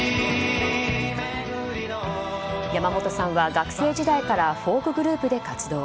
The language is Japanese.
山本さんは学生時代からフォークグループで活動。